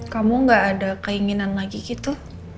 kamu gak ada keinginan lagi gitu